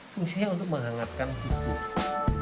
fungsinya untuk menghangatkan hidup